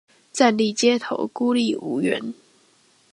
站立街頭孤立無援